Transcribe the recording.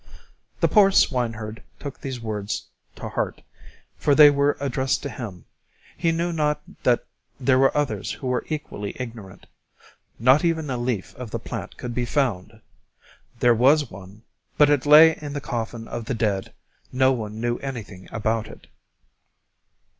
The poor swineherd took these words to heart, for they were addressed to him; he knew not that there were others who were equally ignorant. Not even a leaf of the plant could be found. There was one, but it lay in the coffin of the dead; no one knew anything about it.